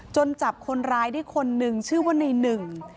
จนจับคนร้ายที่คนนึงชื่อว่านี่หนึ่ง